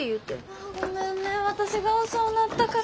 あごめんね私が遅うなったから。